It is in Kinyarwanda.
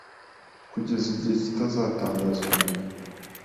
kugeza igihe kizatangazwa nyuma